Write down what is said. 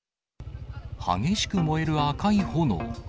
激しく燃える赤い炎。